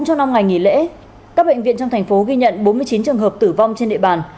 trong năm ngày nghỉ lễ các bệnh viện trong thành phố ghi nhận bốn mươi chín trường hợp tử vong trên địa bàn